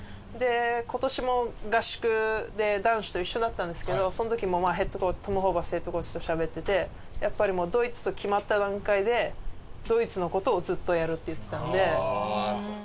今年も合宿で男子と一緒だったんですけどその時もヘッドコーチトム・ホーバスヘッドコーチとしゃべっててやっぱりもうドイツと決まった段階でドイツの事をずっとやるって言ってたので。